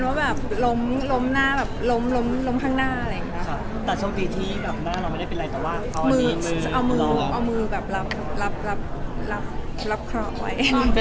กระดูกแตกหรือเป็นอะไร